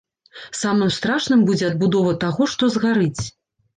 Самым страшным будзе адбудова таго, што згарыць.